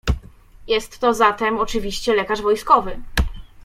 "Jest to zatem oczywiście lekarz wojskowy."